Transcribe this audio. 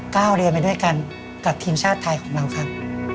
ก้าวเรียนไปด้วยกันกับทีมชาติไทยของเราครับ